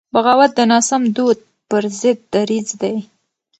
بغاوت د ناسم دود پر ضد دریځ دی.